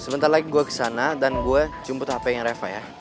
sebentar lagi gue kesana dan gue jemput hp nya reva ya